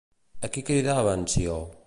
A qui cridava en Ció?